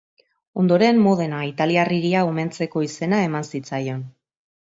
Ondoren Modena, italiar hiria omentzeko izena eman zitzaion.